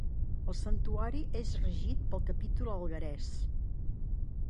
El santuari és regit pel capítol alguerès.